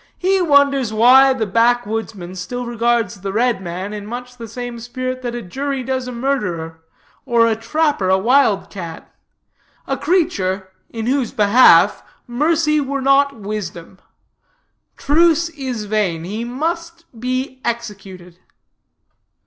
He wonders why the backwoodsman still regards the red man in much the same spirit that a jury does a murderer, or a trapper a wild cat a creature, in whose behalf mercy were not wisdom; truce is vain; he must be executed.